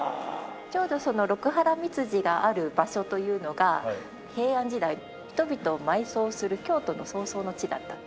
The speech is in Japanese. ちょうど六波羅蜜寺がある場所というのが平安時代人々を埋葬する京都の葬送の地だった。